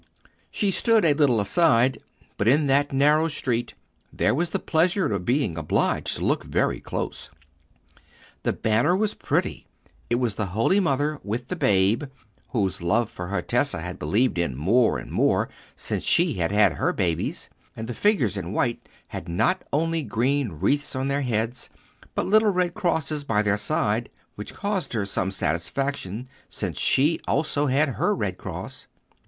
She stood a little aside, but in that narrow street there was the pleasure of being obliged to look very close. The banner was pretty: it was the Holy Mother with the Babe, whose love for her Tessa had believed in more and more since she had had her babies; and the figures in white had not only green wreaths on their heads, but little red crosses by their side, which caused her some satisfaction that she also had her red cross.